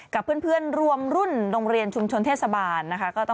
กับเพื่อนรวมรุ่นโรงเรียนชุมชนเทศบาลนะคะ